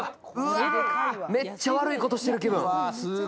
めっちゃ悪いことしてる気分。